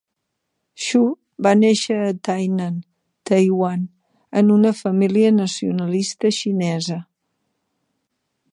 Xu va néixer a Tainan, Taiwan, en una família nacionalista xinesa.